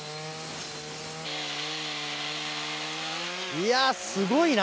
いやすごいな。